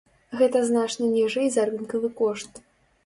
Гэта значна ніжэй за рынкавы кошт.